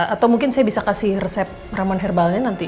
atau mungkin saya bisa kasih resep ramuan herbalnya nanti